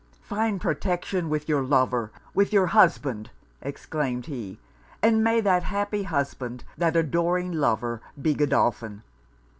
'Find protection with your lover, with your husband!' exclaimed he 'And may that happy husband, that adoring lover, be Godolphin!